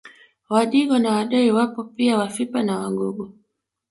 Wadigo na Wadoe wapo pia Wafipa na Wagogo